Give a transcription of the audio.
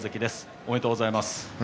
おめでとうございます。